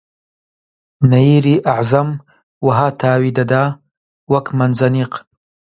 نەییری ئەعزەم وەها تاوی دەدا وەک مەنجەنیق